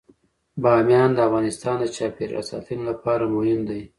بامیان د افغانستان د چاپیریال ساتنې لپاره مهم دي.